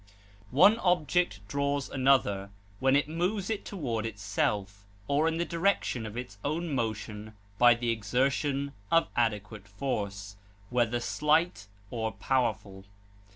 One object draws another when it moves it toward itself or in the direction of its own motion by the exertion of adequate force, whether slight or powerful.